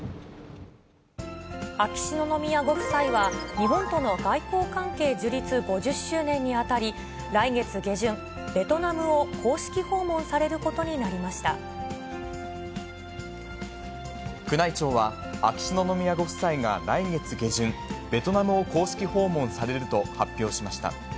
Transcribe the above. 秋篠宮ご夫妻は日本との外交関係樹立５０周年にあたり、来月下旬、ベトナムを公式訪問さ宮内庁は、秋篠宮ご夫妻が来月下旬、ベトナムを公式訪問されると発表しました。